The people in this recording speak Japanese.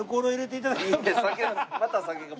また酒か。